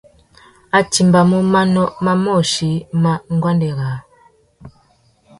A timbamú manô mà môchï mà nguêndê râā.